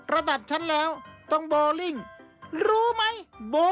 ระดับฉันแล้วต้องโบลิ่งรู้ไหม